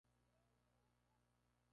Se asoció al Partido Conservador.